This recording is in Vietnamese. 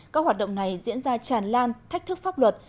các hoạt động này diễn ra tràn lan thách thức pháp luật